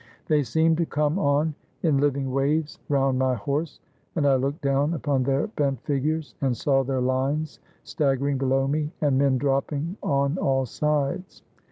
They seemed to come on in living waves round my horse, and I looked down upon their bent figures, and saw their lines staggering below me, and men dropping on all sides.